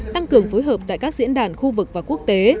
tăng cường phối hợp tại các diễn đàn khu vực và quốc tế